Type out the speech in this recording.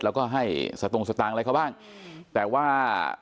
แล้วก็ให้สตงสตางค์อะไรเขาบ้างแต่ว่า